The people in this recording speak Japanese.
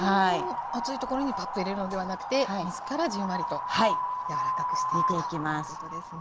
熱い所にパッと入れるのではなくて水からじんわりと柔らかくしていくということですね。